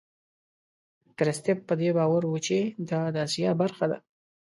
کرستیف په دې باور و چې دا د آسیا برخه ده.